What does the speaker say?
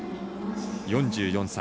４４歳。